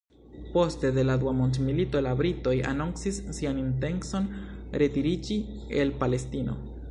Poste de la Dua Mondmilito, la britoj anoncis sian intencon retiriĝi el Palestino.